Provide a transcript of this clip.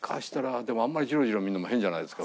でもあんまりジロジロ見るのも変じゃないですか。